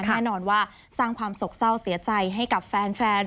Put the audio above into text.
แน่นอนว่าสร้างความสกเศร้าเสียใจให้กับแฟน